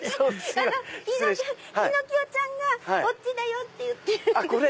ピノキオちゃんがこっちだよ！っていってるんです。